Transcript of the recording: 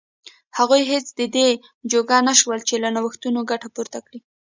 هغوی هېڅ د دې جوګه نه شول چې له نوښتونو ګټه پورته کړي.